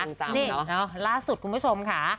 นี่ล่าสุดคุณผู้ชมค่ะ